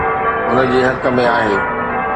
هن جي حق ۾ آهي.